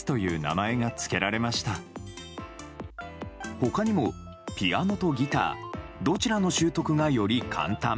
他にも、ピアノとギターどちらの習得がより簡単？